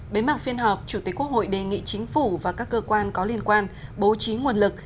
bế mạc phiên họp chủ tịch quốc hội đề nghị chính phủ và các cơ quan có liên quan bố trí nguồn lực